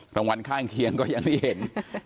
รางวัลข้างเคียงก็ยังไม่เห็น